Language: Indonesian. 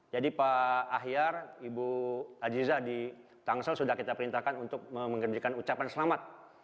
jadi pak ahyar ibu aziza di tangsel sudah kita perintahkan untuk mengerjakan ucapan selamat